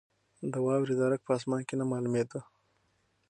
د واورې درک په اسمان کې نه معلومېده.